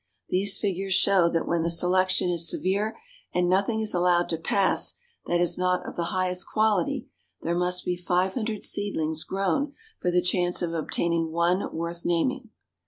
These figures show that when the selection is severe, and nothing is allowed to pass that is not of the highest quality, there must be 500 seedlings grown for the chance of obtaining one worth naming."